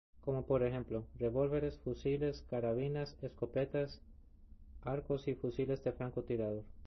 Como por ejemplo: revólveres, fusiles, carabinas, escopetas, arcos y fusiles de francotirador.